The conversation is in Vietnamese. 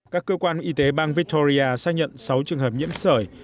các cơ quan y tế bang victoria xác nhận sáu trường hợp nhiễm sởi